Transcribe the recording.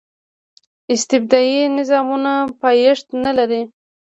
استبدادي نظامونه پایښت نه لري.